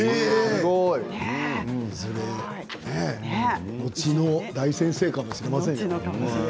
すごい。後の大先生かもしれませんよ。